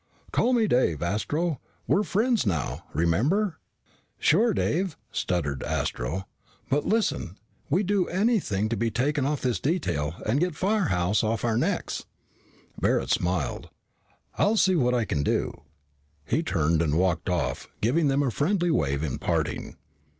"Call me Dave, Astro. We're friends now, remember?" "Sure, Dave," stuttered Astro. "But listen, we'd do anything to be taken off this detail and get Firehouse off our necks." Barret smiled. "All right. I'll see what I can do." He turned and walked off, giving them a friendly wave in parting.